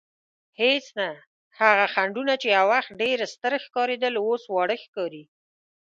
هېڅ نه، هغه خنډونه چې یو وخت ډېر ستر ښکارېدل اوس واړه ښکاري.